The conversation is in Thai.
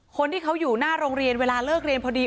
คนที่เขาอยู่หน้าโรงเรียนเวลาเลิกเรียนพอดี